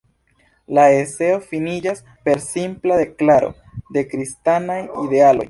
La eseo finiĝas per simpla deklaro de kristanaj idealoj.